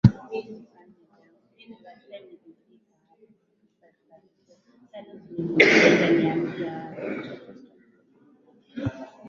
kusanifu Istilahi za Kiswahili badala ya jukumu